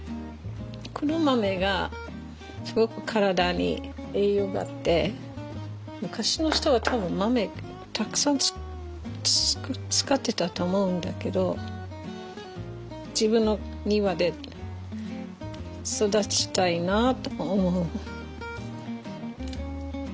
黒豆がすごく体に栄養があって昔の人は多分豆たくさん使ってたと思うんだけど自分の庭で育てたいなあと思う。